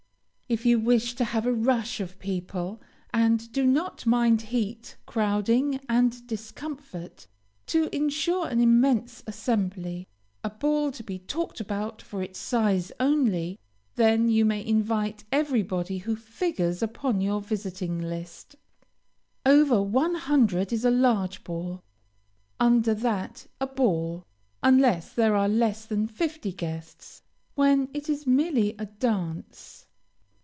If you wish to have a rush of people, and do not mind heat, crowding, and discomfort, to insure an immense assembly, (a ball to be talked about for its size only,) then you may invite every body who figures upon your visiting list. Over one hundred is a "large ball," under that a "ball," unless there are less than fifty guests, when it is merely a "dance."